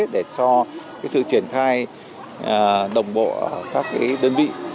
để cho sự triển khai đồng bộ ở các đơn vị